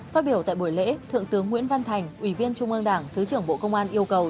phát biểu tại buổi lễ thượng tướng nguyễn văn thành ủy viên trung ương đảng thứ trưởng bộ công an yêu cầu